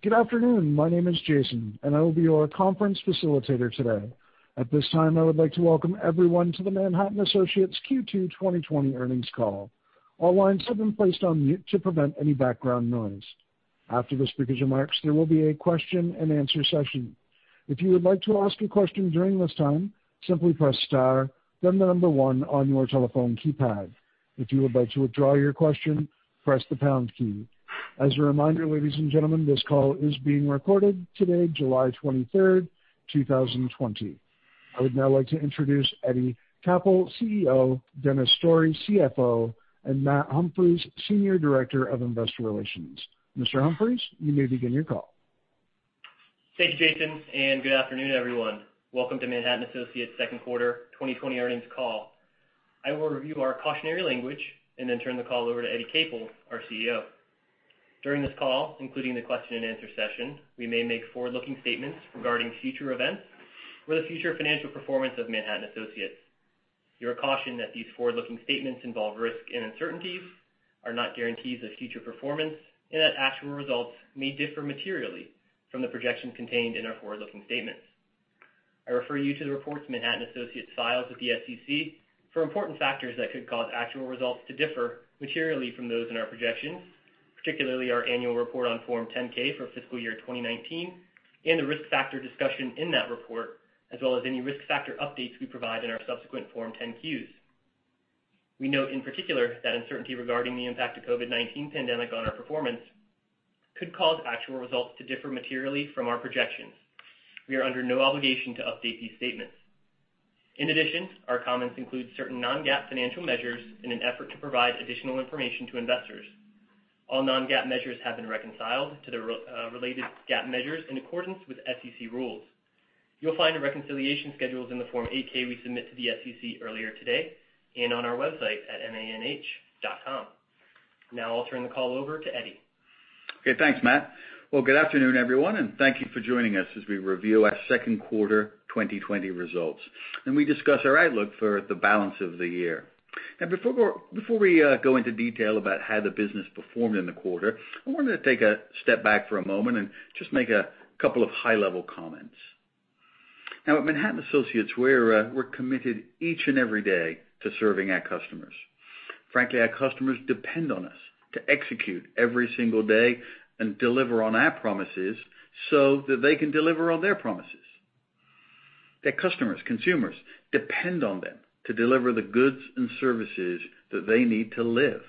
Good afternoon. My name is Jason, and I will be your conference facilitator today. At this time, I would like to welcome everyone to the Manhattan Associates Q2 2020 earnings call. All lines have been placed on mute to prevent any background noise. After the speaker's remarks, there will be a question-and-answer session. If you would like to ask a question during this time, simply press star, then the number one on your telephone keypad. If you would like to withdraw your question, press the pound key. As a reminder, ladies and gentlemen, this call is being recorded today, July 23rd, 2020. I would now like to introduce Eddie Capel, CEO, Dennis Story, CFO, and Matt Humphries, Senior Director of Investor Relations. Mr. Humphries, you may begin your call. Thank you, Jason, and good afternoon, everyone. Welcome to Manhattan Associates' second quarter 2020 earnings call. I will review our cautionary language and then turn the call over to Eddie Capel, our CEO. During this call, including the question-and-answer session, we may make forward-looking statements regarding future events or the future financial performance of Manhattan Associates. You are cautioned that these forward-looking statements involve risks and uncertainties, are not guarantees of future performance, and that actual results may differ materially from the projections contained in our forward-looking statements. I refer you to the reports Manhattan Associates files with the SEC for important factors that could cause actual results to differ materially from those in our projections, particularly our annual report on Form 10-K for fiscal year 2019 and the risk factor discussion in that report, as well as any risk factor updates we provide in our subsequent Form 10-Qs. We note in particular that uncertainty regarding the impact of the COVID-19 pandemic on our performance could cause actual results to differ materially from our projections. We are under no obligation to update these statements. In addition, our comments include certain non-GAAP financial measures in an effort to provide additional information to investors. All non-GAAP measures have been reconciled to the related GAAP measures in accordance with SEC rules. You'll find reconciliation schedules in the Form 8-K we submit to the SEC earlier today and on our website at manh.com. Now I'll turn the call over to Eddie. Okay. Thanks, Matt. Well, good afternoon, everyone, and thank you for joining us as we review our second quarter 2020 results, and we discuss our outlook for the balance of the year. Now, before we go into detail about how the business performed in the quarter, I wanted to take a step back for a moment and just make a couple of high-level comments. Now, at Manhattan Associates, we're committed each and every day to serving our customers. Frankly, our customers depend on us to execute every single day and deliver on our promises so that they can deliver on their promises. Their customers, consumers, depend on them to deliver the goods and services that they need to live,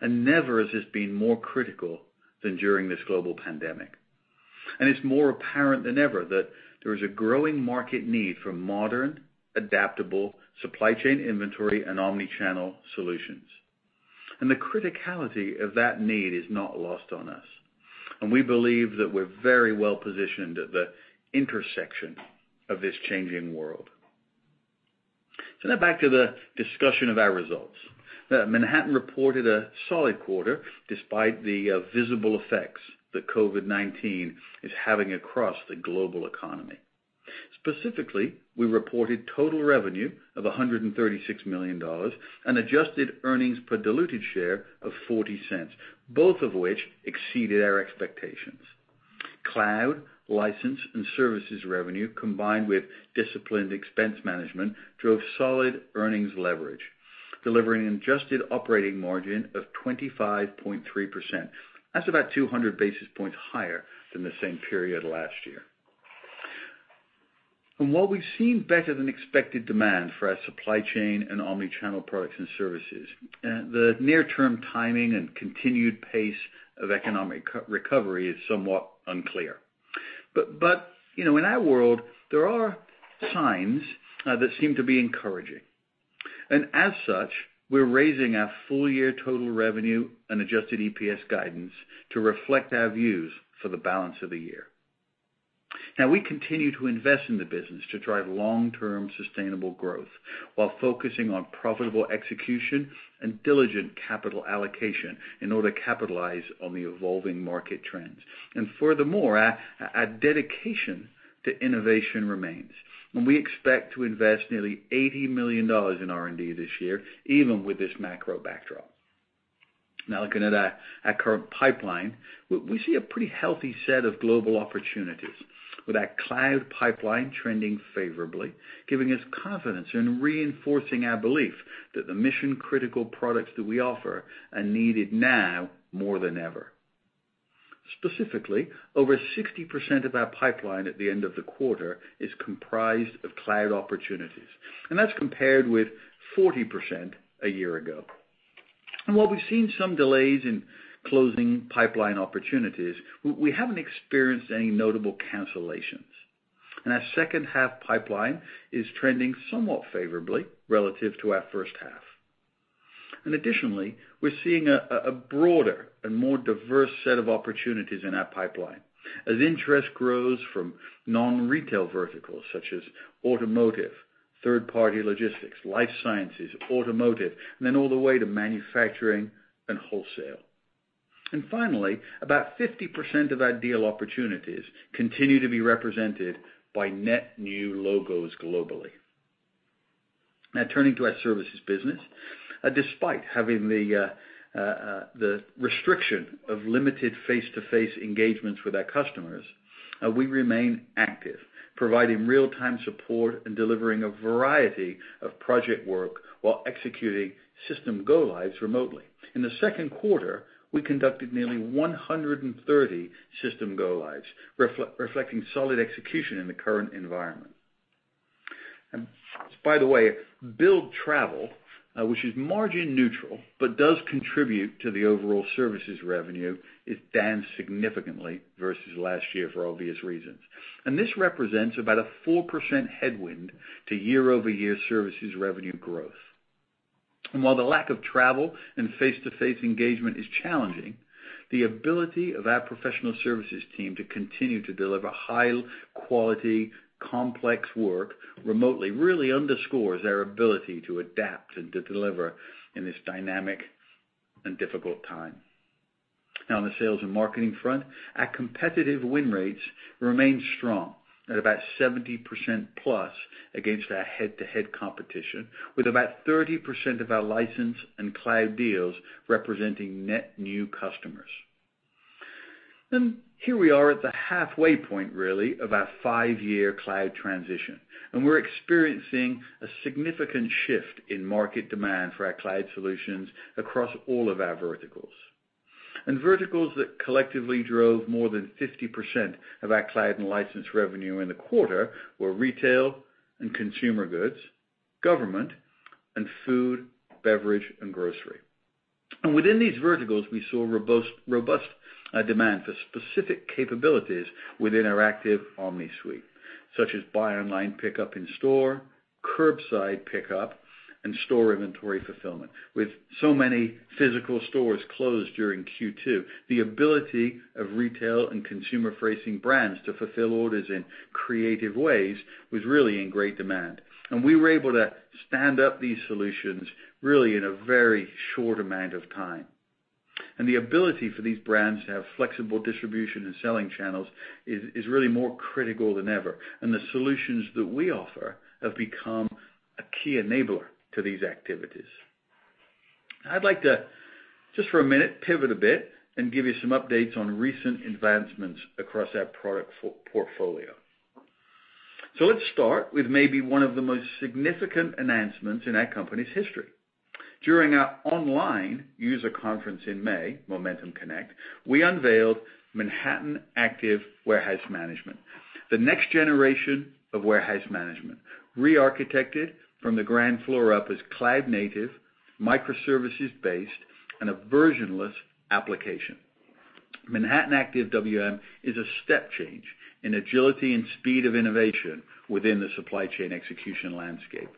and never has this been more critical than during this global pandemic. It's more apparent than ever that there is a growing market need for modern, adaptable supply chain inventory and omnichannel solutions. The criticality of that need is not lost on us. We believe that we're very well-positioned at the intersection of this changing world. Now back to the discussion of our results. Manhattan reported a solid quarter despite the visible effects that COVID-19 is having across the global economy. Specifically, we reported total revenue of $136 million and adjusted earnings per diluted share of $0.40, both of which exceeded our expectations. Cloud, license and services revenue combined with disciplined expense management drove solid earnings leverage, delivering an adjusted operating margin of 25.3%. That's about 200 basis points higher than the same period last year. And while we've seen better-than-expected demand for our supply chain and omnichannel products and services, the near-term timing and continued pace of economic recovery is somewhat unclear. But in our world, there are signs that seem to be encouraging. And as such, we're raising our full-year total revenue and Adjusted EPS guidance to reflect our views for the balance of the year. Now, we continue to invest in the business to drive long-term sustainable growth while focusing on profitable execution and diligent capital allocation in order to capitalize on the evolving market trends. And furthermore, our dedication to innovation remains. And we expect to invest nearly $80 million in R&D this year, even with this macro backdrop. Now, looking at our current pipeline, we see a pretty healthy set of global opportunities with our cloud pipeline trending favorably, giving us confidence and reinforcing our belief that the mission-critical products that we offer are needed now more than ever. Specifically, over 60% of our pipeline at the end of the quarter is comprised of cloud opportunities. And that's compared with 40% a year ago. And while we've seen some delays in closing pipeline opportunities, we haven't experienced any notable cancellations. And our second-half pipeline is trending somewhat favorably relative to our first half. And additionally, we're seeing a broader and more diverse set of opportunities in our pipeline as interest grows from non-retail verticals such as automotive, third-party logistics, life sciences, automotive, and then all the way to manufacturing and wholesale. And finally, about 50% of our deal opportunities continue to be represented by net new logos globally. Now, turning to our services business, despite having the restriction of limited face-to-face engagements with our customers, we remain active, providing real-time support and delivering a variety of project work while executing system Go-Lives remotely. In the second quarter, we conducted nearly 130 system Go-Lives, reflecting solid execution in the current environment. And by the way, billable travel, which is margin-neutral but does contribute to the overall services revenue, is down significantly versus last year for obvious reasons. And this represents about a 4% headwind to year-over-year services revenue growth. And while the lack of travel and face-to-face engagement is challenging, the ability of our professional services team to continue to deliver high-quality, complex work remotely really underscores our ability to adapt and to deliver in this dynamic and difficult time. Now, on the sales and marketing front, our competitive win rates remain strong at about 70%+ against our head-to-head competition, with about 30% of our license and cloud deals representing net new customers. And here we are at the halfway point, really, of our five-year cloud transition. And we're experiencing a significant shift in market demand for our cloud solutions across all of our verticals. And verticals that collectively drove more than 50% of our cloud and license revenue in the quarter were retail and consumer goods, government, and food, beverage, and grocery. And within these verticals, we saw robust demand for specific capabilities within our Active Omni suite, such as Buy Online, Pickup in Store, curbside pickup, and store inventory fulfillment. With so many physical stores closed during Q2, the ability of retail and consumer-facing brands to fulfill orders in creative ways was really in great demand. And we were able to stand up these solutions really in a very short amount of time. And the ability for these brands to have flexible distribution and selling channels is really more critical than ever. And the solutions that we offer have become a key enabler to these activities. I'd like to, just for a minute, pivot a bit and give you some updates on recent advancements across our product portfolio. So let's start with maybe one of the most significant announcements in our company's history. During our online user conference in May, Manhattan Connect, we unveiled Manhattan Active Warehouse Management, the next generation of warehouse management re-architected from the ground floor up as cloud-native, microservices-based, and a versionless application. Manhattan Active WM is a step change in agility and speed of innovation within the supply chain execution landscape.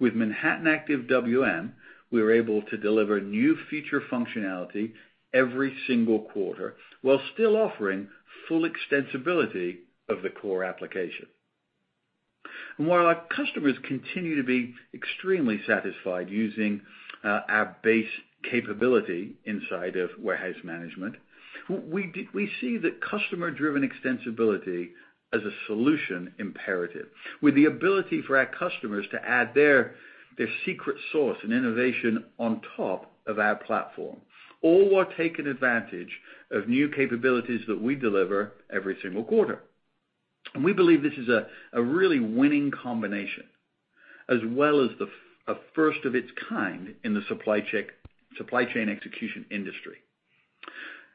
With Manhattan Active WM, we were able to deliver new feature functionality every single quarter while still offering full extensibility of the core application. And while our customers continue to be extremely satisfied using our base capability inside of warehouse management, we see the customer-driven extensibility as a solution imperative, with the ability for our customers to add their secret sauce and innovation on top of our platform, all while taking advantage of new capabilities that we deliver every single quarter. And we believe this is a really winning combination, as well as a first of its kind in the supply chain execution industry.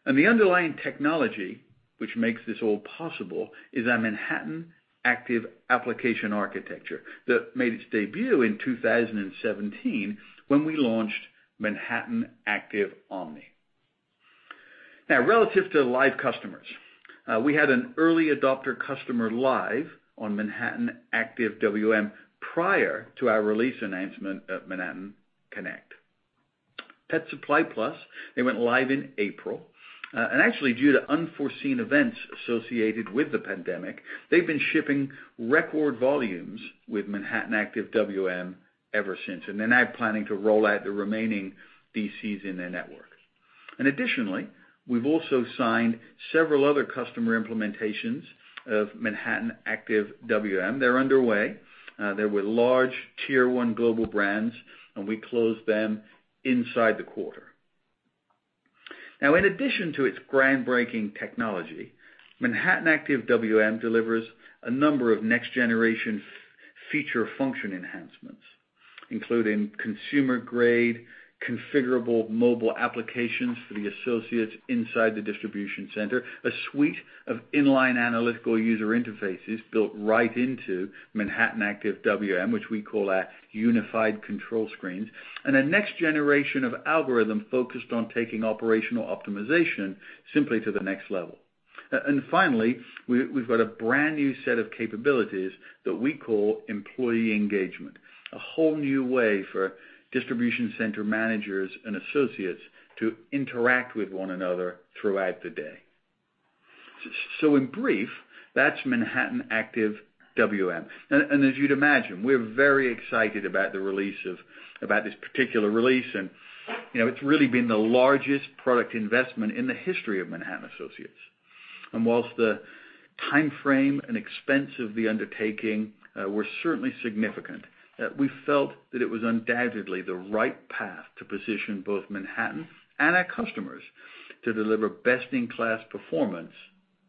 And the underlying technology which makes this all possible is our Manhattan Active application architecture that made its debut in 2017 when we launched Manhattan Active Omni. Now, relative to live customers, we had an early adopter customer live on Manhattan Active WM prior to our release announcement at Manhattan Connect. Pet Supplies Plus, they went live in April. And actually, due to unforeseen events associated with the pandemic, they've been shipping record volumes with Manhattan Active WM ever since. And they're now planning to roll out the remaining DCs in their network. And additionally, we've also signed several other customer implementations of Manhattan Active WM. They're underway. They're with large Tier 1 global brands, and we closed them inside the quarter. Now, in addition to its groundbreaking technology, Manhattan Active WM delivers a number of next-generation feature function enhancements, including consumer-grade, configurable mobile applications for the associates inside the distribution center, a suite of inline analytical user interfaces built right into Manhattan Active WM, which we call our Unified Control Screens, and a next-generation of algorithms focused on taking operational optimization simply to the next level. And finally, we've got a brand new set of capabilities that we call Employee Engagement, a whole new way for distribution center managers and associates to interact with one another throughout the day. So in brief, that's Manhattan Active WM. And as you'd imagine, we're very excited about this particular release. And it's really been the largest product investment in the history of Manhattan Associates. While the timeframe and expense of the undertaking were certainly significant, we felt that it was undoubtedly the right path to position both Manhattan and our customers to deliver best-in-class performance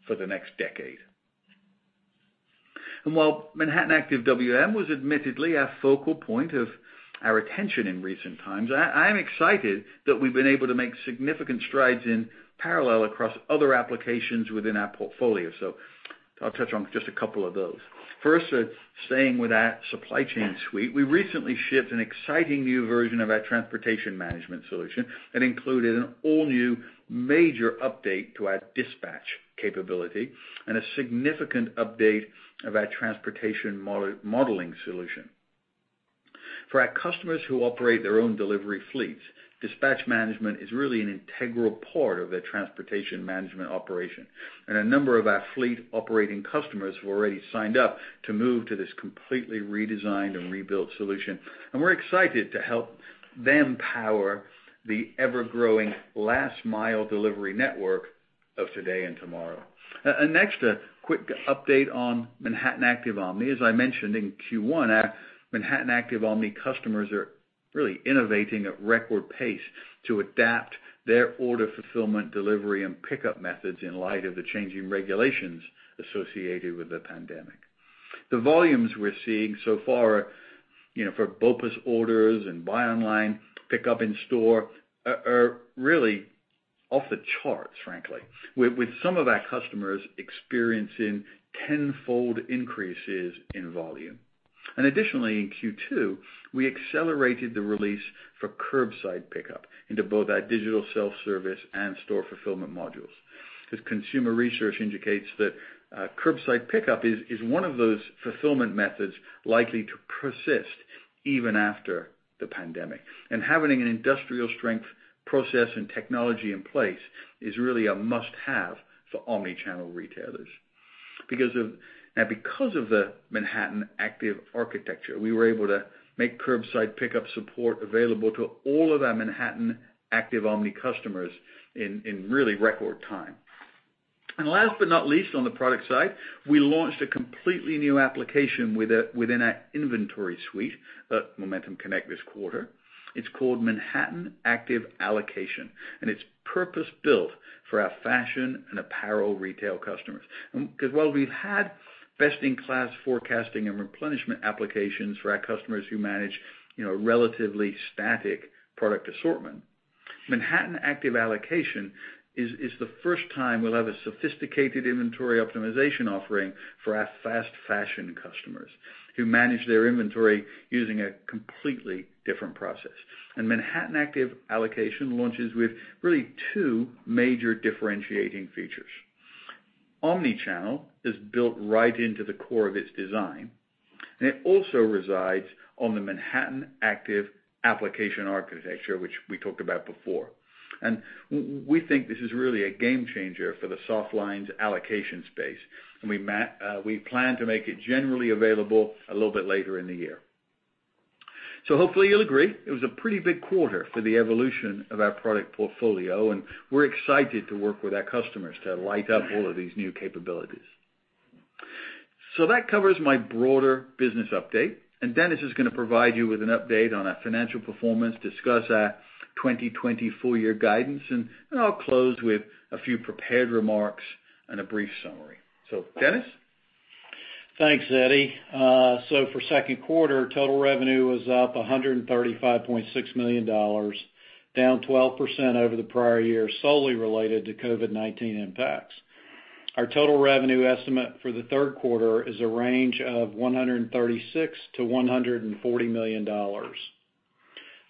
for the next decade. While Manhattan Active WM was admittedly a focal point of our attention in recent times, I am excited that we've been able to make significant strides in parallel across other applications within our portfolio. I'll touch on just a couple of those. First, staying with our supply chain suite, we recently shipped an exciting new version of our transportation management solution that included an all-new major update to our dispatch capability and a significant update of our transportation modeling solution. For our customers who operate their own delivery fleets, dispatch management is really an integral part of their transportation management operation. And a number of our fleet operating customers have already signed up to move to this completely redesigned and rebuilt solution. And we're excited to help them power the ever-growing last-mile delivery network of today and tomorrow. And next, a quick update on Manhattan Active Omni. As I mentioned in Q1, our Manhattan Active Omni customers are really innovating at record pace to adapt their order fulfillment, delivery, and pickup methods in light of the changing regulations associated with the pandemic. The volumes we're seeing so far for BOPIS orders and Buy Online, Pickup in Store are really off the charts, frankly, with some of our customers experiencing tenfold increases in volume. And additionally, in Q2, we accelerated the release for curbside pickup into both our Digital Self-Service and Store Fulfillment modules. As consumer research indicates, curbside pickup is one of those fulfillment methods likely to persist even after the pandemic. Having an industrial-strength process and technology in place is really a must-have for omnichannel retailers. Now, because of the Manhattan Active Architecture, we were able to make curbside pick-up support available to all of our Manhattan Active Omni customers in really record time. Last but not least, on the product side, we launched a completely new application within our inventory suite at Manhattan Connect this quarter. It's called Manhattan Active Allocation. It's purpose-built for our fashion and apparel retail customers. Because while we've had best-in-class forecasting and replenishment applications for our customers who manage relatively static product assortment, Manhattan Active Allocation is the first time we'll have a sophisticated inventory optimization offering for our fast fashion customers who manage their inventory using a completely different process. Manhattan Active Allocation launches with really two major differentiating features. Omnichannel is built right into the core of its design. And it also resides on the Manhattan Active application architecture, which we talked about before. And we think this is really a game changer for the softlines allocation space. And we plan to make it generally available a little bit later in the year. So hopefully, you'll agree. It was a pretty big quarter for the evolution of our product portfolio. And we're excited to work with our customers to light up all of these new capabilities. So that covers my broader business update. And Dennis is going to provide you with an update on our financial performance, discuss our 2020 full-year guidance. And I'll close with a few prepared remarks and a brief summary. So Dennis? Thanks, Eddie. So for second quarter, total revenue was up $135.6 million, down 12% over the prior year, solely related to COVID-19 impacts. Our total revenue estimate for the third quarter is a range of $136 million-$140 million.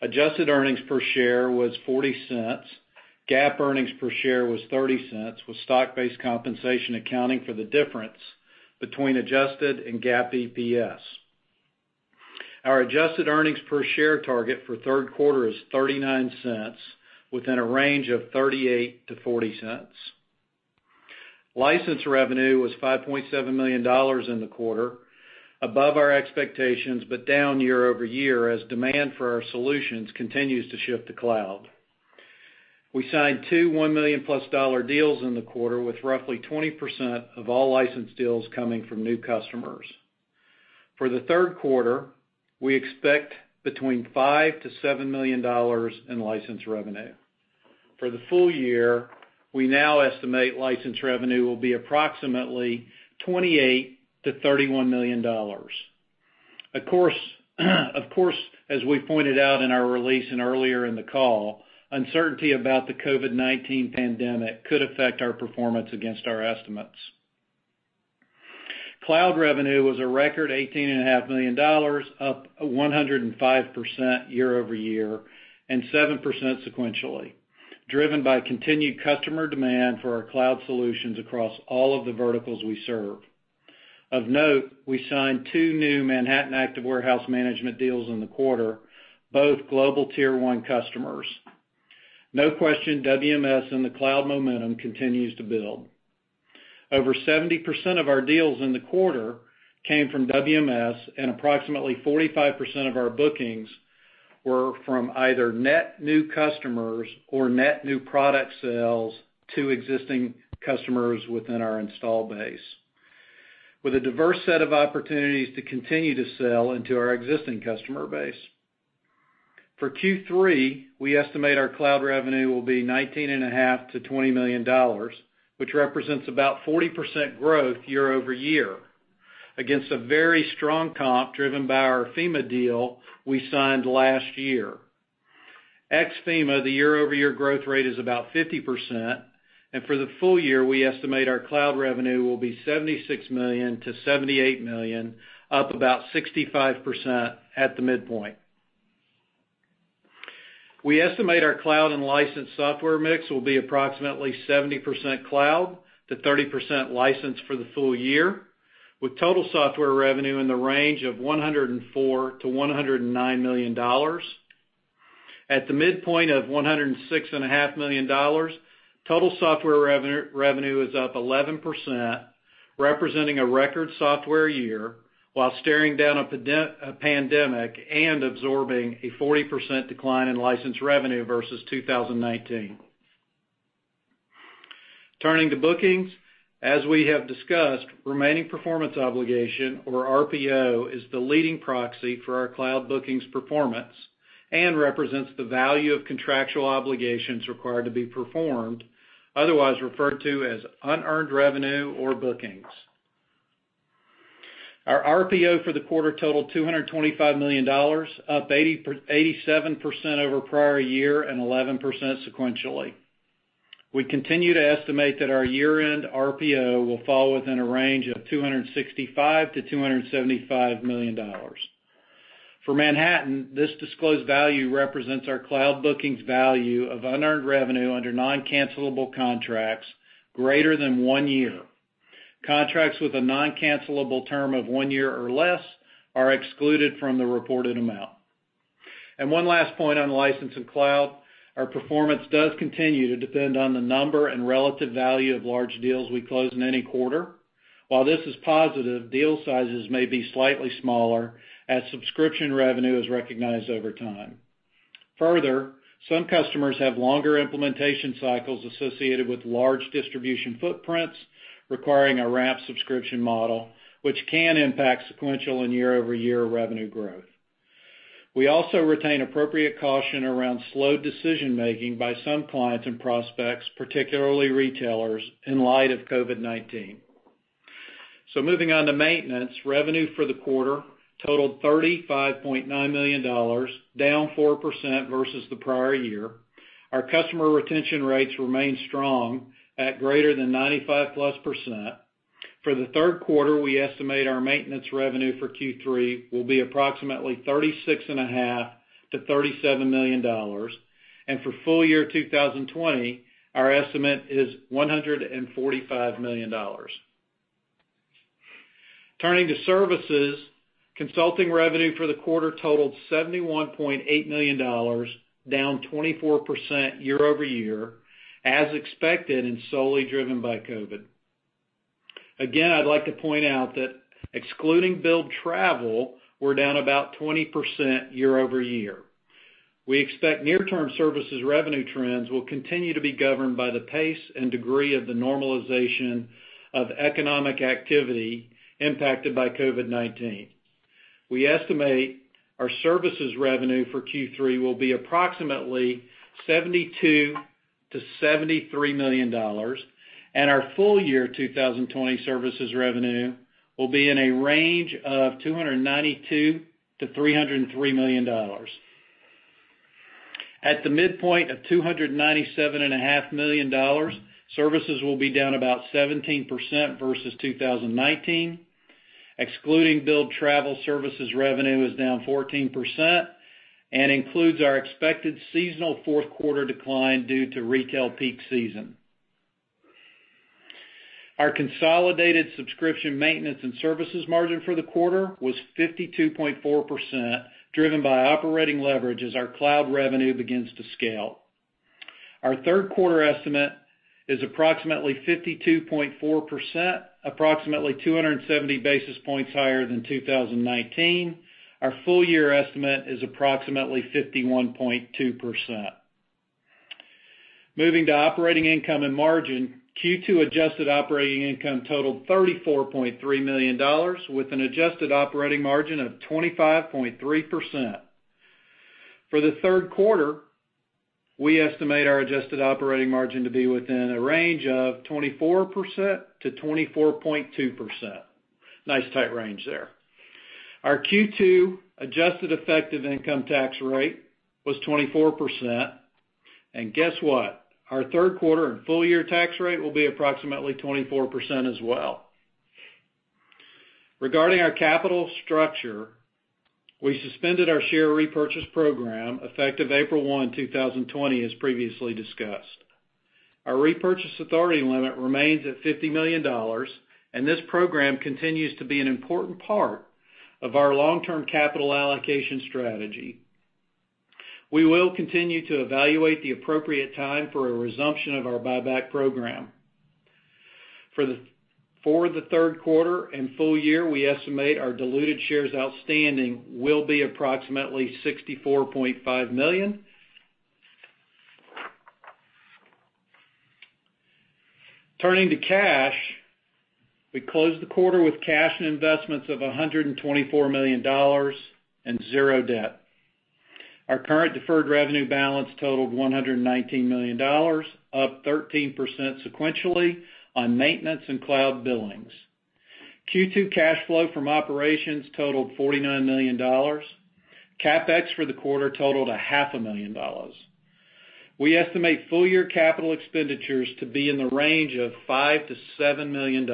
Adjusted earnings per share was $0.40. GAAP earnings per share was $0.30, with stock-based compensation accounting for the difference between adjusted and GAAP EPS. Our adjusted earnings per share target for third quarter is $0.39, within a range of $0.38-$0.40. License revenue was $5.7 million in the quarter, above our expectations but down year-over-year as demand for our solutions continues to shift to cloud. We signed two $1 million+ deals in the quarter, with roughly 20% of all license deals coming from new customers. For the third quarter, we expect between $5 million-$7 million in license revenue. For the full year, we now estimate license revenue will be approximately $28 million-$31 million. Of course, as we pointed out in our release and earlier in the call, uncertainty about the COVID-19 pandemic could affect our performance against our estimates. Cloud revenue was a record $18.5 million, up 105% year-over-year and 7% sequentially, driven by continued customer demand for our cloud solutions across all of the verticals we serve. Of note, we signed two new Manhattan Active Warehouse Management deals in the quarter, both global Tier 1 customers. No question, WMS and the cloud momentum continues to build. Over 70% of our deals in the quarter came from WMS, and approximately 45% of our bookings were from either net new customers or net new product sales to existing customers within our install base, with a diverse set of opportunities to continue to sell into our existing customer base. For Q3, we estimate our cloud revenue will be $19.5 million-$20 million, which represents about 40% growth year-over-year against a very strong comp driven by our FEMA deal we signed last year. Ex-FEMA, the year-over-year growth rate is about 50%. And for the full year, we estimate our cloud revenue will be $76 million-$78 million, up about 65% at the midpoint. We estimate our cloud and license software mix will be approximately 70%-30% for the full year, with total software revenue in the range of $104 million-$109 million. At the midpoint of $106.5 million, total software revenue is up 11%, representing a record software year while staring down a pandemic and absorbing a 40% decline in license revenue versus 2019. Turning to bookings, as we have discussed, remaining performance obligation, or RPO, is the leading proxy for our cloud bookings performance and represents the value of contractual obligations required to be performed, otherwise referred to as unearned revenue or bookings. Our RPO for the quarter totaled $225 million, up 87% over prior year and 11% sequentially. We continue to estimate that our year-end RPO will fall within a range of $265 million-$275 million. For Manhattan, this disclosed value represents our cloud bookings value of unearned revenue under non-cancellable contracts greater than one year. Contracts with a non-cancellable term of one year or less are excluded from the reported amount. And one last point on license and cloud, our performance does continue to depend on the number and relative value of large deals we close in any quarter. While this is positive, deal sizes may be slightly smaller as subscription revenue is recognized over time. Further, some customers have longer implementation cycles associated with large distribution footprints requiring a wrapped subscription model, which can impact sequential and year-over-year revenue growth. We also retain appropriate caution around slow decision-making by some clients and prospects, particularly retailers, in light of COVID-19, so moving on to maintenance, revenue for the quarter totaled $35.9 million, down 4% versus the prior year. Our customer retention rates remain strong at greater than 95+%. For the third quarter, we estimate our maintenance revenue for Q3 will be approximately $36.5 million-$37 million, and for full year 2020, our estimate is $145 million. Turning to services, consulting revenue for the quarter totaled $71.8 million, down 24% year-over-year, as expected and solely driven by COVID. Again, I'd like to point out that excluding billed travel, we're down about 20% year-over-year. We expect near-term services revenue trends will continue to be governed by the pace and degree of the normalization of economic activity impacted by COVID-19. We estimate our services revenue for Q3 will be approximately $72 million-$73 million. And our full year 2020 services revenue will be in a range of $292 million-$303 million. At the midpoint of $297.5 million, services will be down about 17% versus 2019. Excluding billed travel, services revenue is down 14% and includes our expected seasonal fourth quarter decline due to retail peak season. Our consolidated subscription maintenance and services margin for the quarter was 52.4%, driven by operating leverage as our cloud revenue begins to scale. Our third quarter estimate is approximately 52.4%, approximately 270 basis points higher than 2019. Our full year estimate is approximately 51.2%. Moving to operating income and margin, Q2 adjusted operating income totaled $34.3 million, with an adjusted operating margin of 25.3%. For the third quarter, we estimate our adjusted operating margin to be within a range of 24%-24.2%. Nice tight range there. Our Q2 adjusted effective income tax rate was 24%. And guess what? Our third quarter and full year tax rate will be approximately 24% as well. Regarding our capital structure, we suspended our share repurchase program effective April 1, 2020, as previously discussed. Our repurchase authority limit remains at $50 million. And this program continues to be an important part of our long-term capital allocation strategy. We will continue to evaluate the appropriate time for a resumption of our buyback program. For the third quarter and full year, we estimate our diluted shares outstanding will be approximately 64.5 million. Turning to cash, we closed the quarter with cash and investments of $124 million and zero debt. Our current deferred revenue balance totaled $119 million, up 13% sequentially on maintenance and cloud billings. Q2 cash flow from operations totaled $49 million. CapEx for the quarter totaled $500,000. We estimate full year capital expenditures to be in the range of $5 million-$7 million.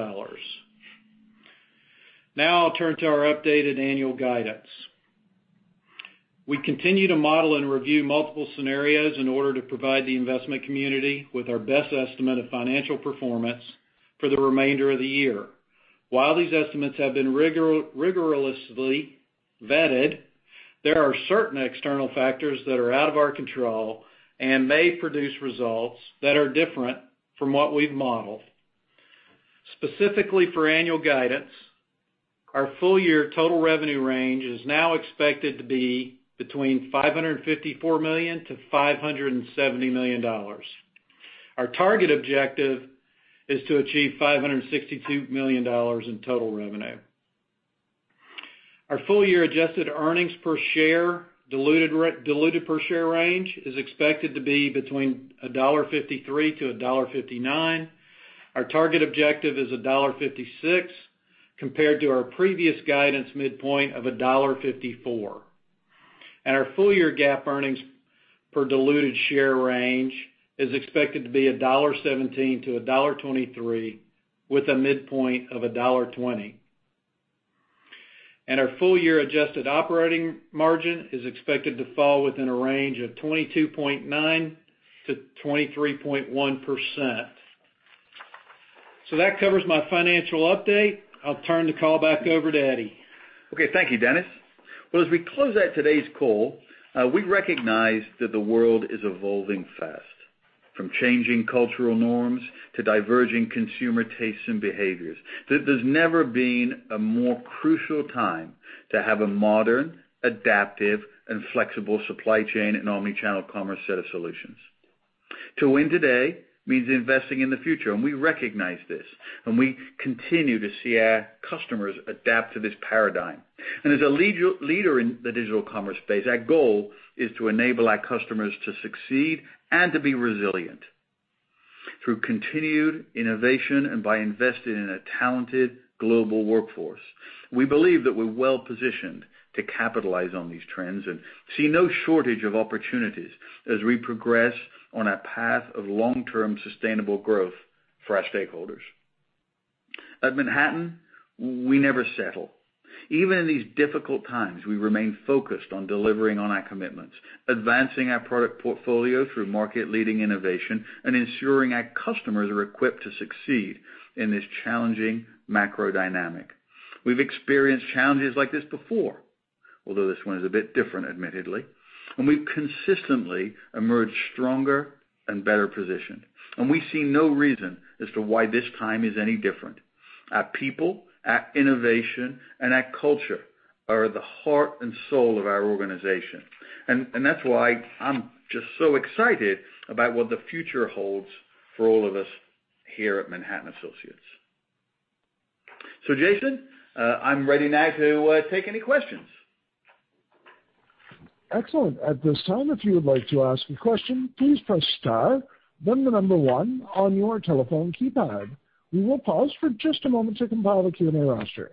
Now I'll turn to our updated annual guidance. We continue to model and review multiple scenarios in order to provide the investment community with our best estimate of financial performance for the remainder of the year. While these estimates have been rigorously vetted, there are certain external factors that are out of our control and may produce results that are different from what we've modeled. Specifically for annual guidance, our full year total revenue range is now expected to be between $554 million-$570 million. Our target objective is to achieve $562 million in total revenue. Our full-year adjusted earnings per share diluted per share range is expected to be between $1.53-$1.59. Our target objective is $1.56 compared to our previous guidance midpoint of $1.54, and our full-year GAAP earnings per diluted share range is expected to be $1.17-$1.23 with a midpoint of $1.20, and our full-year adjusted operating margin is expected to fall within a range of 22.9%-23.1%. So that covers my financial update, and I'll turn the call back over to Eddie. Okay. Thank you, Dennis. Well, as we close out today's call, we recognize that the world is evolving fast, from changing cultural norms to diverging consumer tastes and behaviors. There's never been a more crucial time to have a modern, adaptive, and flexible supply chain and omnichannel commerce set of solutions. To win today means investing in the future. And we recognize this. And we continue to see our customers adapt to this paradigm. And as a leader in the digital commerce space, our goal is to enable our customers to succeed and to be resilient through continued innovation and by investing in a talented global workforce. We believe that we're well positioned to capitalize on these trends and see no shortage of opportunities as we progress on our path of long-term sustainable growth for our stakeholders. At Manhattan, we never settle. Even in these difficult times, we remain focused on delivering on our commitments, advancing our product portfolio through market-leading innovation, and ensuring our customers are equipped to succeed in this challenging macro dynamic. We've experienced challenges like this before, although this one is a bit different, admittedly. And we've consistently emerged stronger and better positioned. And we see no reason as to why this time is any different. Our people, our innovation, and our culture are the heart and soul of our organization. And that's why I'm just so excited about what the future holds for all of us here at Manhattan Associates. So, Jason, I'm ready now to take any questions. Excellent. At this time, if you would like to ask a question, please press star then the number one on your telephone keypad. We will pause for just a moment to compile the Q&A roster.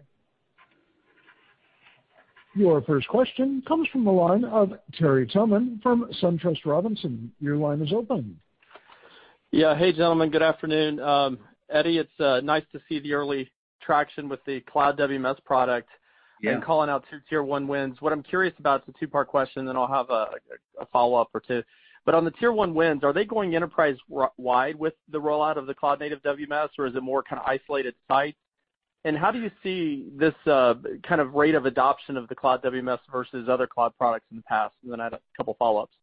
Your first question comes from the line of Terry Tillman from SunTrust Robinson. Your line is open. Yeah. Hey, gentlemen. Good afternoon. Eddie, it's nice to see the early traction with the cloud WMS product and calling out two Tier 1 wins. What I'm curious about is a two-part question, and then I'll have a follow-up or two. But on the Tier 1 wins, are they going enterprise-wide with the rollout of the cloud-native WMS, or is it more kind of isolated sites? And how do you see this kind of rate of adoption of the cloud WMS versus other cloud products in the past? And then I had a couple of follow-ups.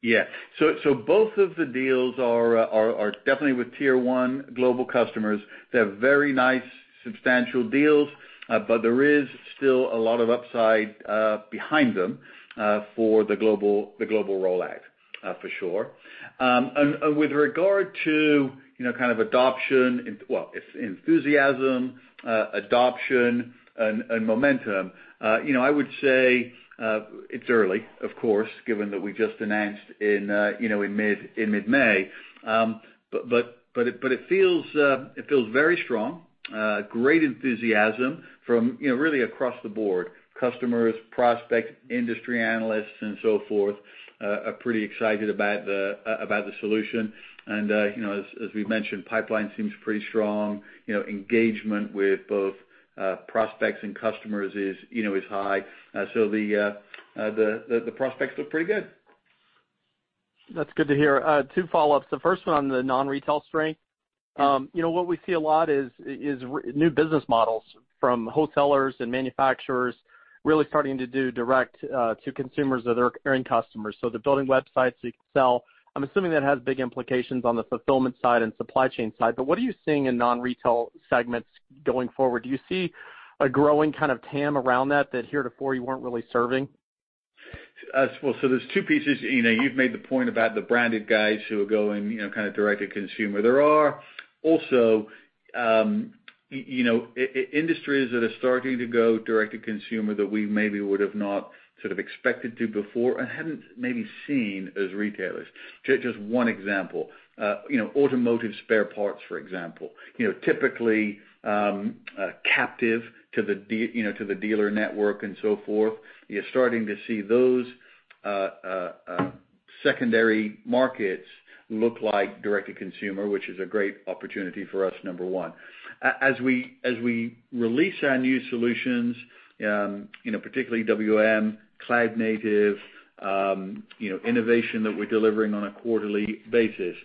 Yeah. So both of the deals are definitely with Tier 1 global customers. They have very nice, substantial deals, but there is still a lot of upside behind them for the global rollout, for sure. And with regard to kind of adoption, well, enthusiasm, adoption, and momentum, I would say it's early, of course, given that we just announced in mid-May. But it feels very strong. Great enthusiasm from really across the board. Customers, prospects, industry analysts, and so forth are pretty excited about the solution. And as we mentioned, pipeline seems pretty strong. Engagement with both prospects and customers is high. So the prospects look pretty good. That's good to hear. Two follow-ups. The first one on the non-retail strength. What we see a lot is new business models from wholesalers and manufacturers really starting to do direct to consumers or their end customers. So they're building websites so you can sell. I'm assuming that has big implications on the fulfillment side and supply chain side. But what are you seeing in non-retail segments going forward? Do you see a growing kind of TAM around that heretofore you weren't really serving? So there's two pieces. You've made the point about the branded guys who are going kind of direct to consumer. There are also industries that are starting to go direct to consumer that we maybe would have not sort of expected to before and hadn't maybe seen as retailers. Just one example, automotive spare parts, for example. Typically captive to the dealer network and so forth. You're starting to see those secondary markets look like direct to consumer, which is a great opportunity for us, number one. As we release our new solutions, particularly WM, cloud-native, innovation that we're delivering on a quarterly basis,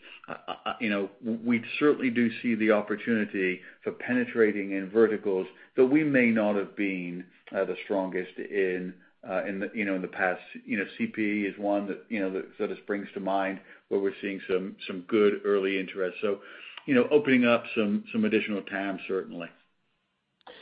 we certainly do see the opportunity for penetrating in verticals that we may not have been the strongest in the past. CPG is one that sort of springs to mind where we're seeing some good early interest. Opening up some additional TAM, certainly.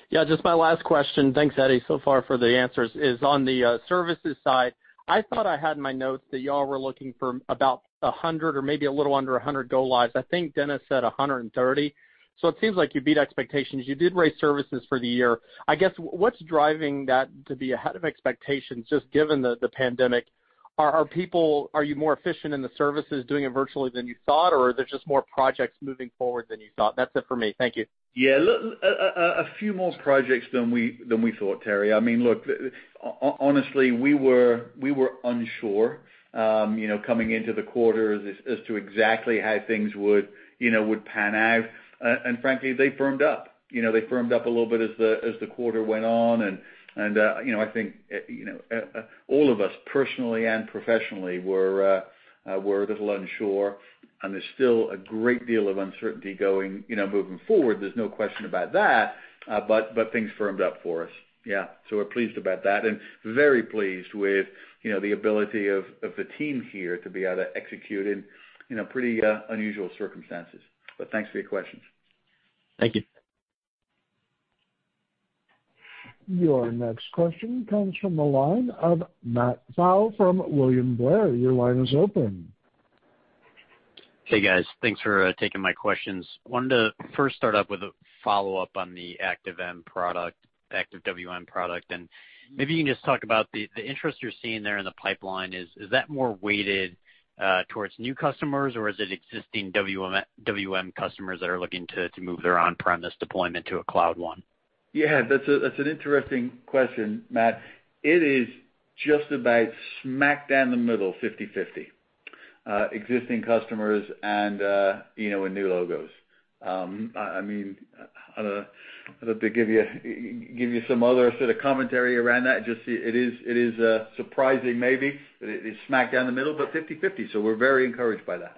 Yeah. Just my last question. Thanks, Eddie, so far for the answers. On the services side, I thought I had in my notes that y'all were looking for about 100 or maybe a little under 100 Go-Lives. I think Dennis said 130. So it seems like you beat expectations. You did raise services for the year. I guess what's driving that to be ahead of expectations, just given the pandemic? Are you more efficient in the services doing it virtually than you thought, or are there just more projects moving forward than you thought? That's it for me. Thank you. Yeah. A few more projects than we thought, Terry. I mean, look, honestly, we were unsure coming into the quarter as to exactly how things would pan out. And frankly, they firmed up. They firmed up a little bit as the quarter went on. And I think all of us personally and professionally were a little unsure. And there's still a great deal of uncertainty moving forward. There's no question about that. But things firmed up for us. Yeah. So we're pleased about that and very pleased with the ability of the team here to be able to execute in pretty unusual circumstances. But thanks for your questions. Thank you. Your next question comes from the line of Matt Pfau from William Blair. Your line is open. Hey, guys. Thanks for taking my questions. Wanted to first start up with a follow-up on the Active WM product. And maybe you can just talk about the interest you're seeing there in the pipeline. Is that more weighted towards new customers, or is it existing WM customers that are looking to move their on-premise deployment to a cloud one? Yeah. That's an interesting question, Matt. It is just about smack dab in the middle, 50/50, existing customers and new logos. I mean, I don't know. I'd have to give you some other sort of commentary around that. It is surprising, maybe, that it is smack dab in the middle, but 50/50. So we're very encouraged by that.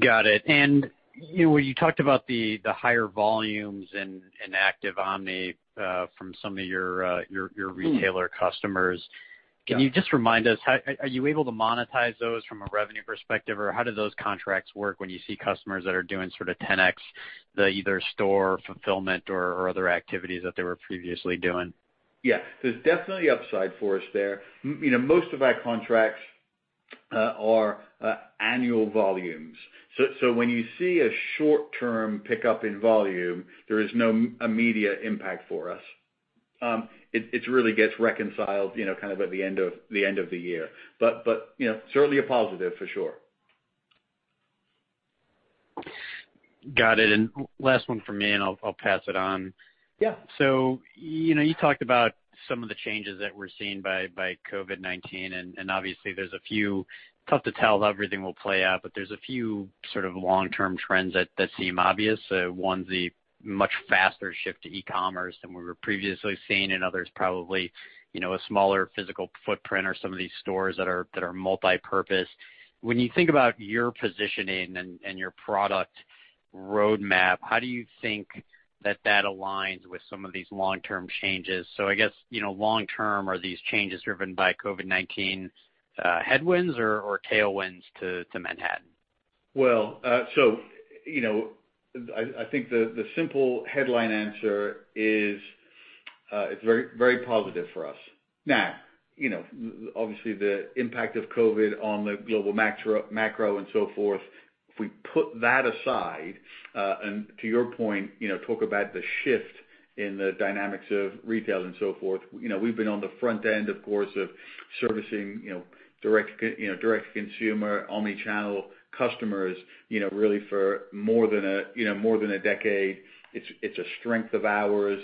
Got it. And when you talked about the higher volumes in Active Omni from some of your retailer customers, can you just remind us, are you able to monetize those from a revenue perspective, or how do those contracts work when you see customers that are doing sort of 10x, either store fulfillment or other activities that they were previously doing? Yeah. There's definitely upside for us there. Most of our contracts are annual volumes. So when you see a short-term pickup in volume, there is no immediate impact for us. It really gets reconciled kind of at the end of the year. But certainly a positive, for sure. Got it. And last one from me, and I'll pass it on. So you talked about some of the changes that we're seeing by COVID-19. And obviously, it's tough to tell how everything will play out, but there's a few sort of long-term trends that seem obvious. One's the much faster shift to e-commerce than we were previously seeing, and others probably a smaller physical footprint or some of these stores that are multi-purpose. When you think about your positioning and your product roadmap, how do you think that that aligns with some of these long-term changes? So I guess long-term, are these changes driven by COVID-19 headwinds or tailwinds to Manhattan? I think the simple headline answer is it's very positive for us. Now, obviously, the impact of COVID-19 on the global macro and so forth, if we put that aside, and to your point, talk about the shift in the dynamics of retail and so forth, we've been on the front end, of course, of servicing direct to consumer, omnichannel customers really for more than a decade. It's a strength of ours.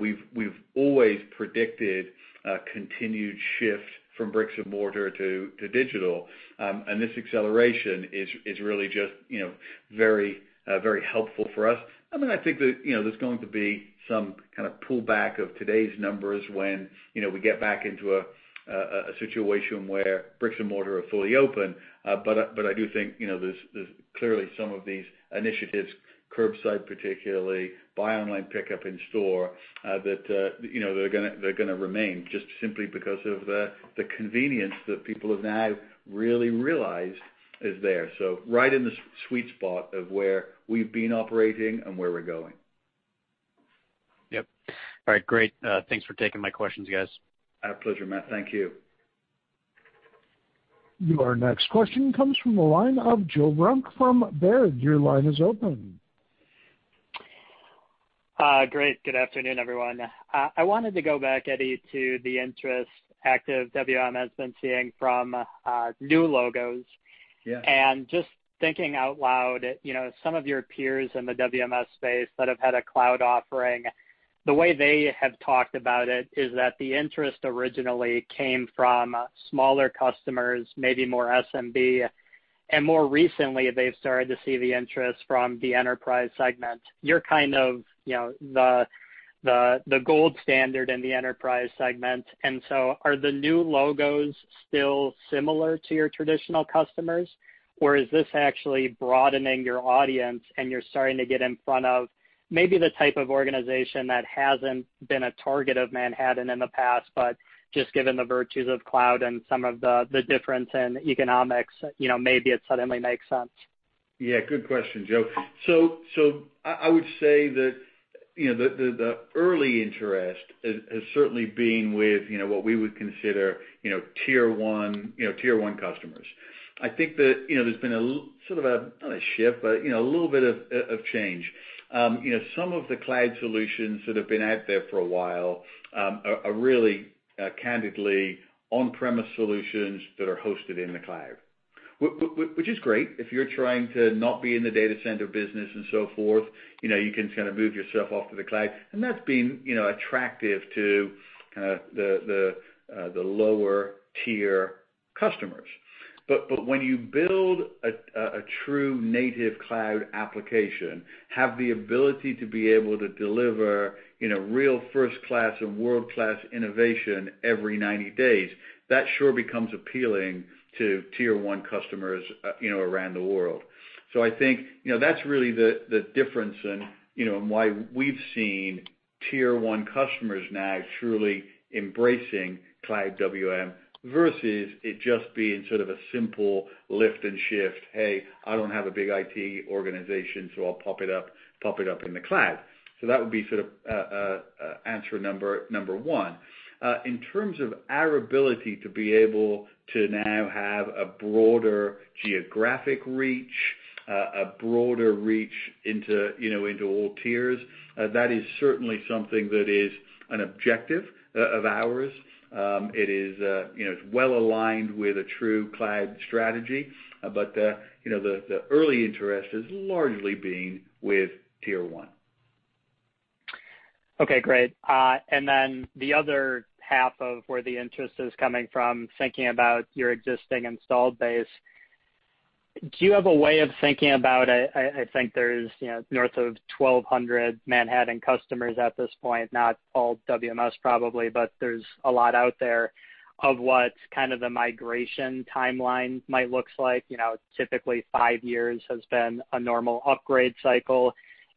We've always predicted a continued shift from bricks and mortar to digital. This acceleration is really just very helpful for us. I mean, I think there's going to be some kind of pullback of today's numbers when we get back into a situation where bricks and mortar are fully open. But I do think there's clearly some of these initiatives, curbside particularly, buy online, pick up in store, that they're going to remain just simply because of the convenience that people have now really realized is there. So right in the sweet spot of where we've been operating and where we're going. Yep. All right. Great. Thanks for taking my questions, guys. Our pleasure, Matt. Thank you. Your next question comes from the line of Joe Vruwink from Baird. Your line is open. Great. Good afternoon, everyone. I wanted to go back, Eddie, to the interest Active WMS has been seeing from new logos, and just thinking out loud at some of your peers in the WMS space that have had a cloud offering, the way they have talked about it is that the interest originally came from smaller customers, maybe more SMB, and more recently, they've started to see the interest from the enterprise segment. You're kind of the gold standard in the enterprise segment, and so are the new logos still similar to your traditional customers, or is this actually broadening your audience and you're starting to get in front of maybe the type of organization that hasn't been a target of Manhattan in the past, but just given the virtues of cloud and some of the difference in economics, maybe it suddenly makes sense? Yeah. Good question, Joe. So I would say that the early interest has certainly been with what we would consider Tier 1 customers. I think that there's been a sort of not a shift, but a little bit of change. Some of the cloud solutions that have been out there for a while are really candidly on-premise solutions that are hosted in the cloud, which is great. If you're trying to not be in the data center business and so forth, you can kind of move yourself off to the cloud, and that's been attractive to kind of the lower-tier customers, but when you build a true cloud-native application, have the ability to be able to deliver real first-class and world-class innovation every 90 days, that sure becomes appealing to Tier 1 customers around the world. So I think that's really the difference in why we've seen Tier 1 customers now truly embracing cloud WM versus it just being sort of a simple lift and shift, "Hey, I don't have a big IT organization, so I'll pop it up in the cloud." So that would be sort of answer number one. In terms of our ability to be able to now have a broader geographic reach, a broader reach into all tiers, that is certainly something that is an objective of ours. It is well aligned with a true cloud strategy. But the early interest has largely been with Tier 1. Okay. Great. And then the other half of where the interest is coming from, thinking about your existing installed base, do you have a way of thinking about it? I think there's north of 1,200 Manhattan customers at this point, not all WMS probably, but there's a lot out there of what kind of the migration timeline might look like. Typically, five years has been a normal upgrade cycle.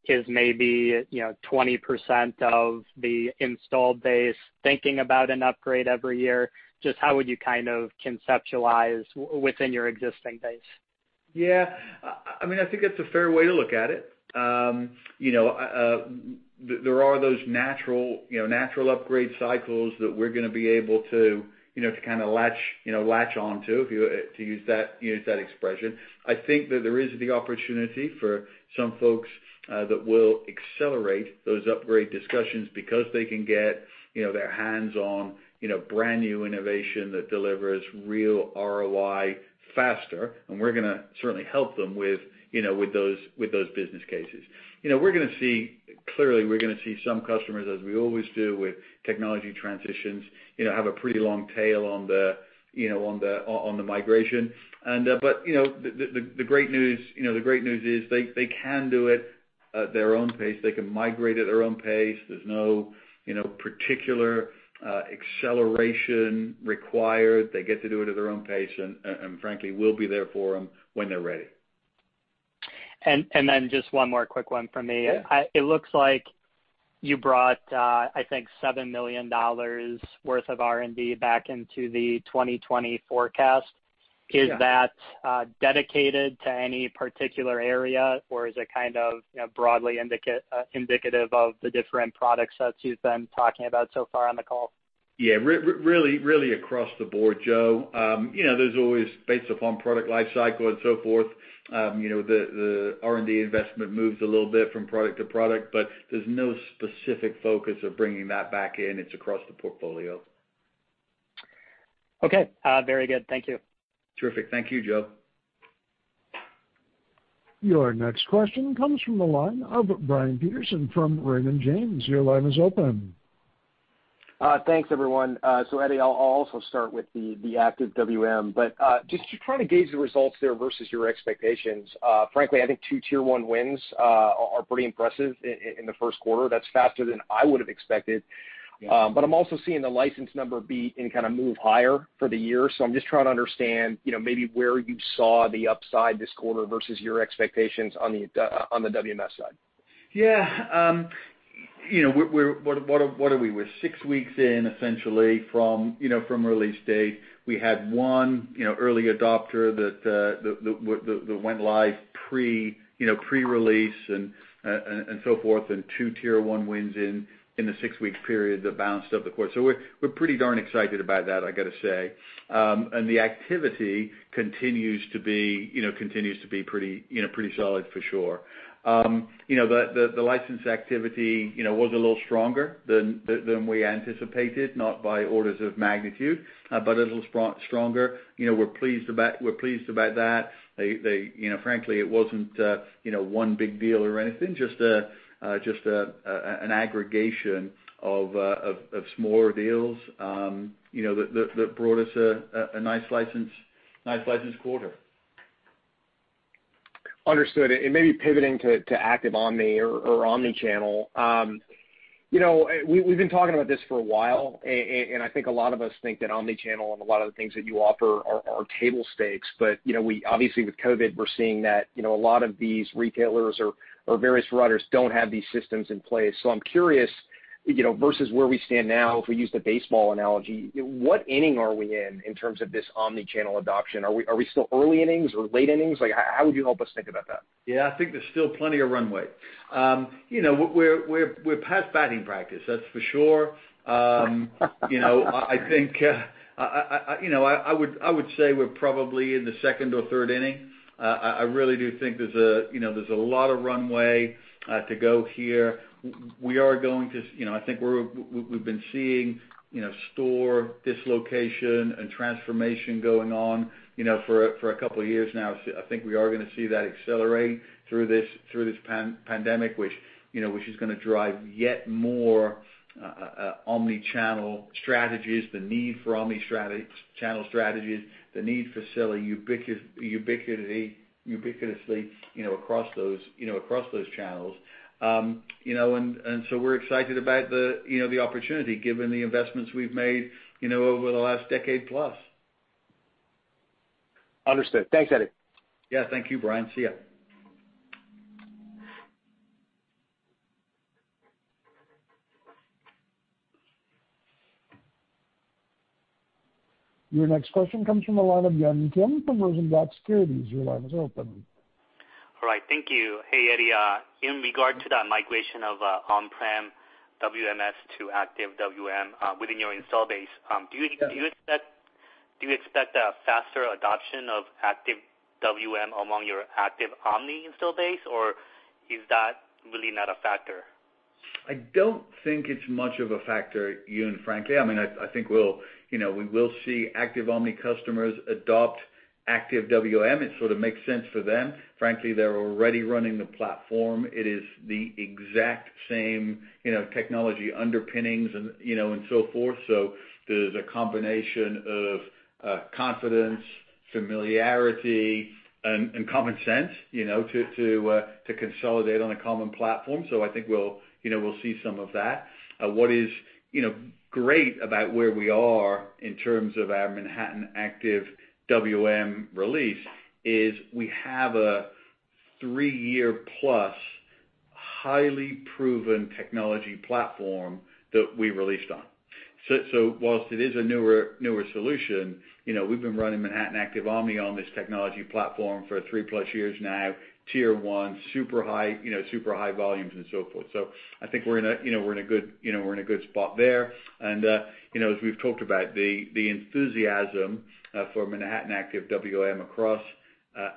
Is maybe 20% of the installed base. Thinking about an upgrade every year, just how would you kind of conceptualize within your existing base? Yeah. I mean, I think that's a fair way to look at it. There are those natural upgrade cycles that we're going to be able to kind of latch onto if you use that expression. I think that there is the opportunity for some folks that will accelerate those upgrade discussions because they can get their hands on brand new innovation that delivers real ROI faster. And we're going to certainly help them with those business cases. We're going to see clearly, we're going to see some customers, as we always do with technology transitions, have a pretty long tail on the migration. But the great news is they can do it at their own pace. They can migrate at their own pace. There's no particular acceleration required. They get to do it at their own pace. And frankly, we'll be there for them when they're ready. And then just one more quick one from me. It looks like you brought, I think, $7 million worth of R&D back into the 2020 forecast. Is that dedicated to any particular area, or is it kind of broadly indicative of the different products that you've been talking about so far on the call? Yeah. Really across the board, Joe. There's always, based upon product life cycle and so forth, the R&D investment moves a little bit from product to product, but there's no specific focus of bringing that back in. It's across the portfolio. Okay. Very good. Thank you. Terrific. Thank you, Joe. Your next question comes from the line of Brian Peterson from Raymond James. Your line is open. Thanks, everyone. So Eddie, I'll also start with the Active WM. But just to try to gauge the results there versus your expectations, frankly, I think two Tier 1 wins are pretty impressive in the first quarter. That's faster than I would have expected. But I'm also seeing the license number beat and kind of move higher for the year. So I'm just trying to understand maybe where you saw the upside this quarter versus your expectations on the WMS side. Yeah. What are we with? Six weeks in, essentially, from release date. We had one early adopter that went live pre-release and so forth, and two Tier 1 wins in the six-week period that bounced up the quarter. So we're pretty darn excited about that, I got to say, and the activity continues to be pretty solid for sure. The license activity was a little stronger than we anticipated, not by orders of magnitude, but a little stronger. We're pleased about that. Frankly, it wasn't one big deal or anything, just an aggregation of smaller deals that brought us a nice license quarter. Understood. And maybe pivoting to Active Omni or omnichannel, we've been talking about this for a while, and I think a lot of us think that omnichannel and a lot of the things that you offer are table stakes. But obviously, with COVID, we're seeing that a lot of these retailers or various providers don't have these systems in place. So I'm curious, versus where we stand now, if we use the baseball analogy, what inning are we in in terms of this omnichannel adoption? Are we still early innings or late innings? How would you help us think about that? Yeah. I think there's still plenty of runway. We're past batting practice, that's for sure. I think I would say we're probably in the second or third inning. I really do think there's a lot of runway to go here. We are going to. I think we've been seeing store dislocation and transformation going on for a couple of years now. I think we are going to see that accelerate through this pandemic, which is going to drive yet more omnichannel strategies, the need for omnichannel strategies, the need for selling ubiquitously across those channels. And so we're excited about the opportunity given the investments we've made over the last decade plus. Understood. Thanks, Eddie. Yeah. Thank you, Brian. See you. Your next question comes from the line of Yun Kim from Rosenblatt Securities. Your line is open. All right. Thank you. Hey, Eddie, in regard to that migration of on-prem WMS to Active WM within your install base, do you expect a faster adoption of Active WM among your Active Omni install base, or is that really not a factor? I don't think it's much of a factor, Yun, frankly. I mean, I think we will see Active Omni customers adopt Active WM. It sort of makes sense for them. Frankly, they're already running the platform. It is the exact same technology underpinnings and so forth. So there's a combination of confidence, familiarity, and common sense to consolidate on a common platform. So I think we'll see some of that. What is great about where we are in terms of our Manhattan Active WM release is we have a three-year-plus highly proven technology platform that we released on. So while it is a newer solution, we've been running Manhattan Active Omni on this technology platform for 3+ years now, Tier 1, super high volumes, and so forth. So I think we're in a good spot there. And as we've talked about, the enthusiasm for Manhattan Active WM across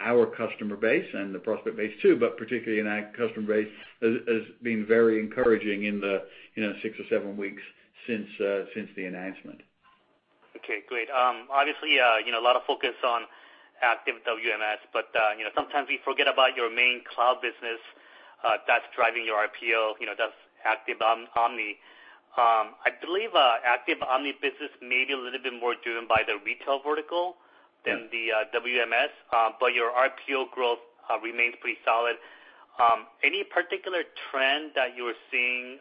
our customer base and the prospect base too, but particularly in our customer base, has been very encouraging in the six or seven weeks since the announcement. Okay. Great. Obviously, a lot of focus on Active WMS, but sometimes we forget about your main cloud business that's driving your IPO, that's Active Omni. I believe Active Omni business may be a little bit more driven by the retail vertical than the WMS, but your IPO growth remains pretty solid. Any particular trend that you're seeing,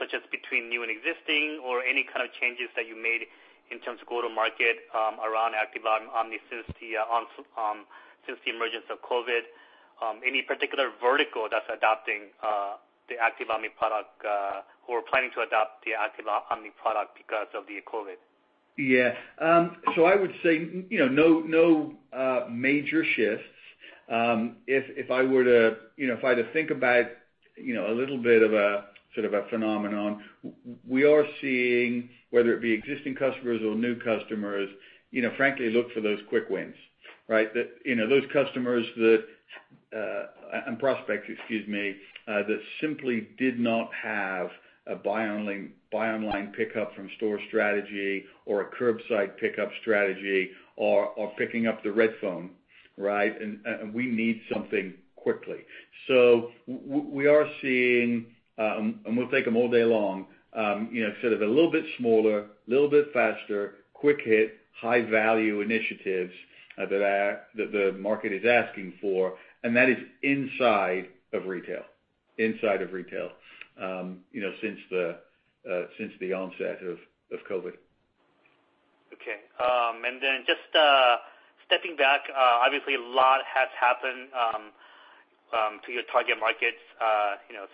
such as between new and existing, or any kind of changes that you made in terms of go-to-market around Active Omni since the emergence of COVID? Any particular vertical that's adopting the Active Omni product or planning to adopt the Active Omni product because of the COVID? Yeah. So I would say no major shifts. If I were to have to think about a little bit of a sort of a phenomenon, we are seeing, whether it be existing customers or new customers, frankly, look for those quick wins, right? Those customers and prospects, excuse me, that simply did not have a buy-online pickup from store strategy or a curbside pickup strategy or picking up the red phone, right? And we need something quickly. So we are seeing, and we'll take them all day long, sort of a little bit smaller, a little bit faster, quick hit, high-value initiatives that the market is asking for. And that is inside of retail, inside of retail since the onset of COVID. Okay. And then just stepping back, obviously, a lot has happened to your target markets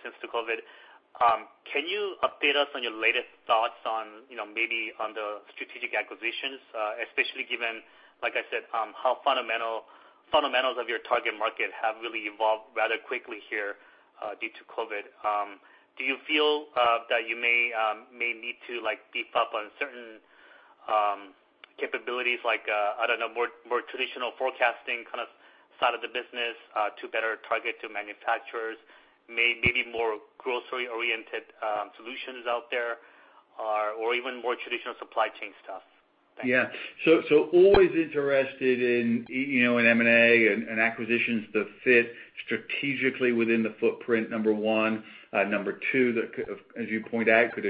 since the COVID. Can you update us on your latest thoughts on maybe on the strategic acquisitions, especially given, like I said, how fundamentals of your target market have really evolved rather quickly here due to COVID? Do you feel that you may need to beef up on certain capabilities, like I don't know, more traditional forecasting kind of side of the business to better target to manufacturers, maybe more grocery-oriented solutions out there, or even more traditional supply chain stuff? Yeah. So always interested in M&A and acquisitions that fit strategically within the footprint, number one. Number two, as you point out, could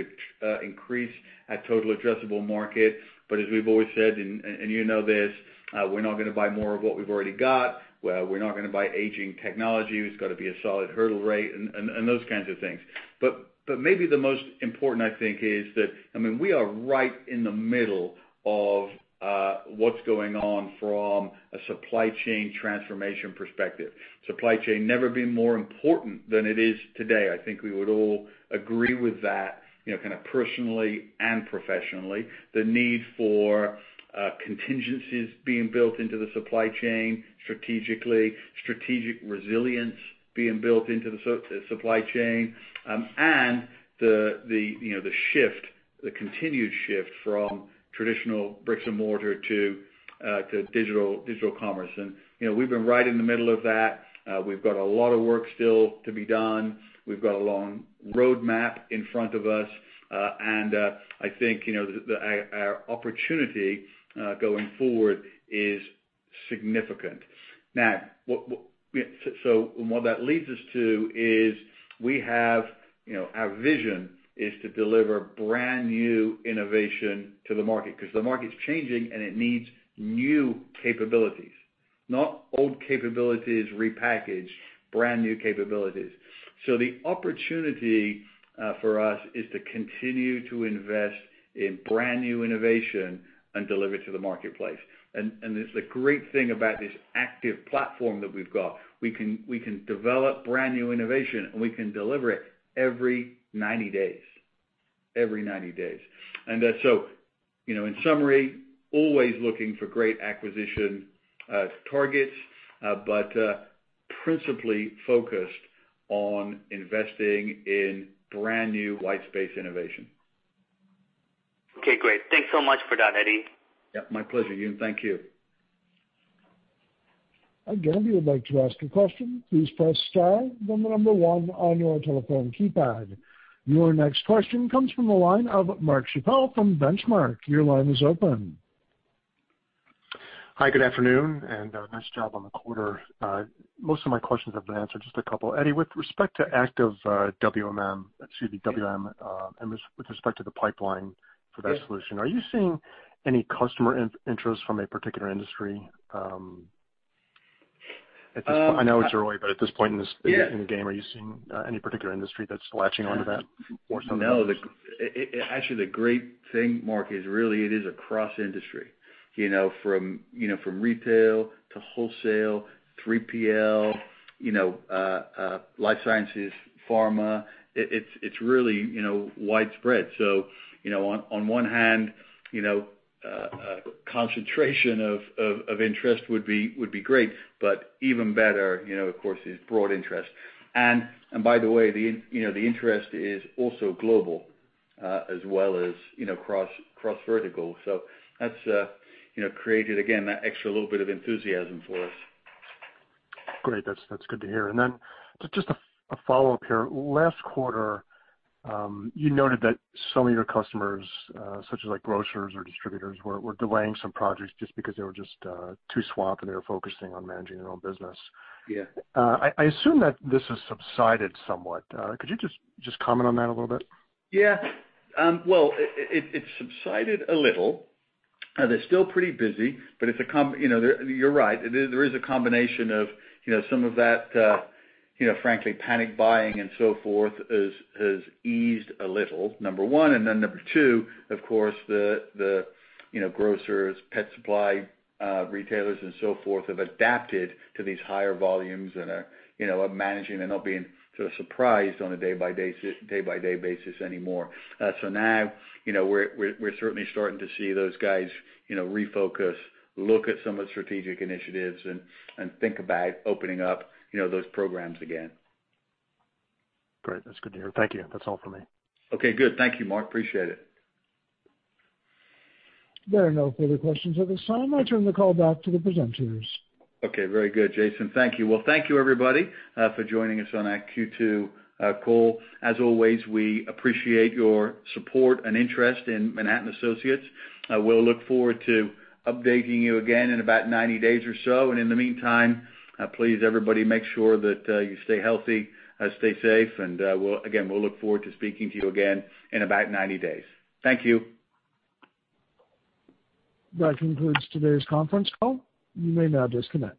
increase our total addressable market. But as we've always said, and you know this, we're not going to buy more of what we've already got. We're not going to buy aging technology. It's got to be a solid hurdle rate and those kinds of things. But maybe the most important, I think, is that, I mean, we are right in the middle of what's going on from a supply chain transformation perspective. Supply chain never been more important than it is today. I think we would all agree with that kind of personally and professionally. The need for contingencies being built into the supply chain strategically, strategic resilience being built into the supply chain, and the shift, the continued shift from traditional bricks and mortar to digital commerce, and we've been right in the middle of that. We've got a lot of work still to be done. We've got a long roadmap in front of us, and I think our opportunity going forward is significant. Now, so what that leads us to is we have our vision is to deliver brand new innovation to the market because the market's changing and it needs new capabilities, not old capabilities repackaged, brand new capabilities, so the opportunity for us is to continue to invest in brand new innovation and deliver it to the marketplace. And the great thing about this Active platform that we've got, we can develop brand new innovation and we can deliver it every 90 days, every 90 days. And so in summary, always looking for great acquisition targets, but principally focused on investing in brand new white space innovation. Okay. Great. Thanks so much for that, Eddie. Yeah. My pleasure, Yun. Thank you. Again, if you would like to ask a question, please press star then the number one on your telephone keypad. Your next question comes from the line of [Mark Chappell] from Benchmark. Your line is open. Hi. Good afternoon, and nice job on the quarter. Most of my questions have been answered, just a couple. Eddie, with respect to Active WM, excuse me, WM, and with respect to the pipeline for that solution, are you seeing any customer interest from a particular industry? I know it's early, but at this point in the game, are you seeing any particular industry that's latching on to that or something? No. Actually, the great thing, Mark, is really it is across industry from retail to wholesale, 3PL, life sciences, pharma. It's really widespread. So on one hand, a concentration of interest would be great, but even better, of course, is broad interest. And by the way, the interest is also global as well as cross-vertical. So that's created, again, that extra little bit of enthusiasm for us. Great. That's good to hear. And then just a follow-up here. Last quarter, you noted that some of your customers, such as grocers or distributors, were delaying some projects just because they were just too swamped and they were focusing on managing their own business. I assume that this has subsided somewhat. Could you just comment on that a little bit? Yeah. Well, it's subsided a little. They're still pretty busy, but it's a, you're right. There is a combination of some of that, frankly, panic buying and so forth has eased a little, number one. And then number two, of course, the grocers, pet supply retailers, and so forth have adapted to these higher volumes and are managing and not being sort of surprised on a day-by-day basis anymore. So now we're certainly starting to see those guys refocus, look at some of the strategic initiatives, and think about opening up those programs again. Great. That's good to hear. Thank you. That's all for me. Okay. Good. Thank you, Mark. Appreciate it. There are no further questions at this time. I turn the call back to the presenters. Okay. Very good, Jason. Thank you. Well, thank you, everybody, for joining us on our Q2 call. As always, we appreciate your support and interest in Manhattan Associates. We'll look forward to updating you again in about 90 days or so, and in the meantime, please, everybody, make sure that you stay healthy, stay safe, and again, we'll look forward to speaking to you again in about 90 days. Thank you. That concludes today's conference call. You may now disconnect.